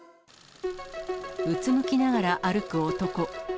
うつむきながら歩く男。